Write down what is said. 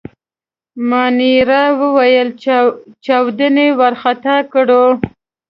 مانیرا وویل: چاودنې وارخطا کړو.